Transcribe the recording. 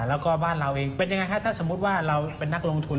แล้วก็บ้านเราเองเป็นยังไงคะถ้าสมมุติว่าเราเป็นนักลงทุน